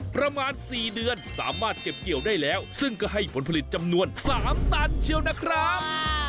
ประมาณ๔เดือนสามารถเก็บเกี่ยวได้แล้วซึ่งก็ให้ผลผลิตจำนวน๓ตันเชียวนะครับ